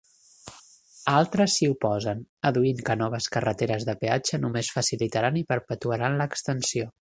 Altres s'hi oposen, adduint que noves carreteres de peatge només facilitaran i perpetuaran l'extensió.